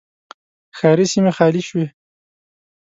ښاري سیمې خالي شوې